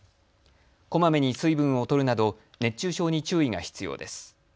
こまめに水分をとるなど熱中症に注意が必要です。